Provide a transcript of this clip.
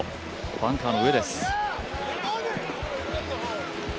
バンカーの上です。